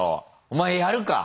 お前やるか？